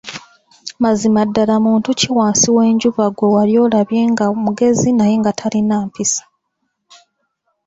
Mazima ddala muntu ki wansi w'enjuba gwe wali olabye nga mugezi naye nga talina mpisa?